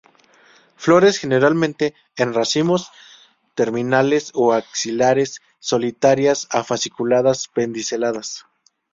Flores generalmente en racimos terminales o axilares, solitarias a fasciculadas, pediceladas.